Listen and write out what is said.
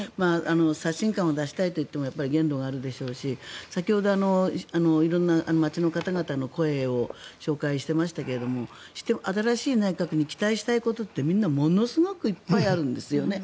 刷新感を出したいといっても限度があるでしょうし先ほど色んな街の方々の声を紹介してましたけれども新しい内閣に期待したいことってみんなものすごくいっぱいあるんですよね。